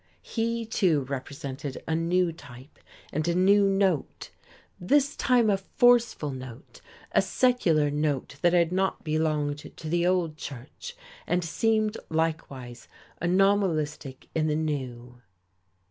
He, too, represented a new type and a new note, this time a forceful note, a secular note that had not belonged to the old church, and seemed likewise anomalistic in the new....